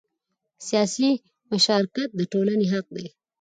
سیاسي مشارکت د ټولنې حق دی